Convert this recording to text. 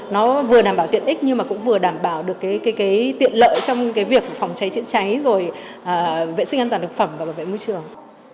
nó vừa đảm bảo tiện ích nhưng cũng vừa đảm bảo được tiện lợi trong việc phòng cháy triển cháy vệ sinh an toàn thực phẩm và bảo vệ môi trường